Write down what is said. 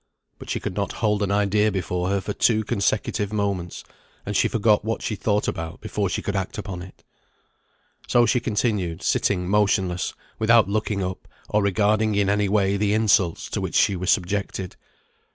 But she could not hold an idea before her for two consecutive moments; and she forgot what she thought about before she could act upon it. So she continued sitting motionless, without looking up, or regarding in any way the insults to which she was subjected.